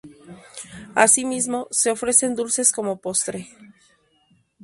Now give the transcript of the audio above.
Asimismo, se ofrecen dulces como postre.